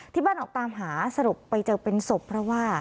ที่บ้านออกตามหาสรบไปเจอเป็นศพเพราะว่า